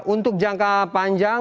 untuk jangka panjang